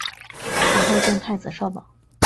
死后赠太子少保。